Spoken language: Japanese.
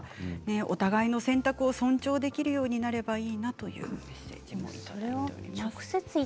お互いの選択を尊重できるようになればいいなというメッセージです。